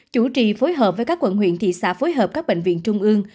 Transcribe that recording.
chủ trì phối hợp với các quận huyện thị xã phối hợp các bệnh viện trung ương